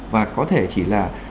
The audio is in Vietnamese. và có thể chỉ là